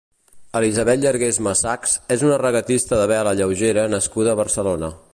Elisabet Llargués Masachs és una regatista de vela lleugera nascuda a Barcelona.